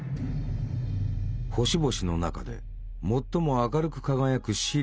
星々の中で最も明るく輝くシリウス。